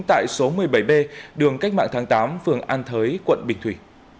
tại số một mươi bảy b đường cách mạng tháng tám phường an thới quận bình thủy